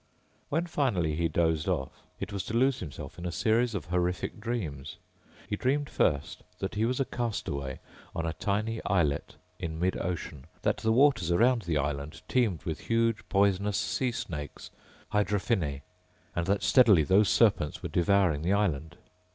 When finally he dozed off it was to lose himself in a series of horrific dreams. He dreamed first that he was a castaway on a tiny islet in mid ocean, that the waters around the island teemed with huge poisonous sea snakes ... hydrophinnae ... and that steadily those serpents were devouring the island.